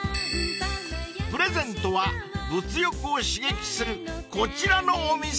［プレゼントは物欲を刺激するこちらのお店で］